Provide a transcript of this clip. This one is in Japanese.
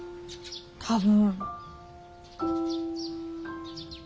多分。